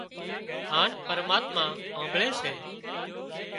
هانَ پرماتما هانڀۯي سي